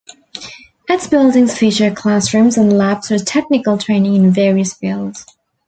Its buildings feature classrooms and labs for technical training in various fields.